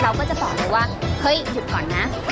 เราก็จะตอบดูว่าเฮ้ยหยุดก่อนนะ